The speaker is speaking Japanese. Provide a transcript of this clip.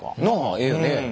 ええよね。